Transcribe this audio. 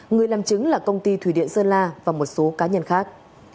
người làm chứng là công ty thủy điện sơn la và một số cá nhân khác